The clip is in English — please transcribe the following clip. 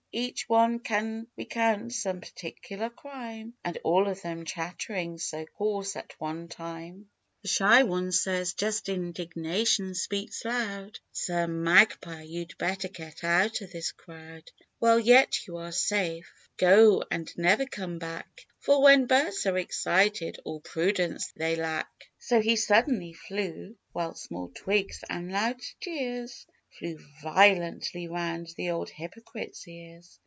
Each one can recount some particular crime ; And all of them chatt'ring so hoarse at one time, 110 Charley's sister. The Shy One says, " Just indignation speaks loud; Sir Magpie, you'd better get out of this crowd While yet you are safe. Go, and never come back; For, when birds are excited, all prudence they lack." So he suddenly flew, while small twigs and loud jeers Flew violently round the old hypocrite's ears.